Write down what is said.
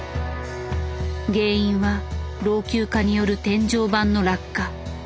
原因は老朽化による天井板の落下。